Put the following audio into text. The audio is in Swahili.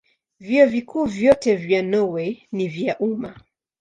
Vyuo Vikuu vyote vya Norwei ni vya umma.